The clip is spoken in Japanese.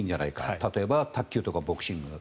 例えば、卓球とかボクシング。